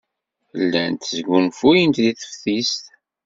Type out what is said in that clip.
Llant sgunfuyent deg teftist.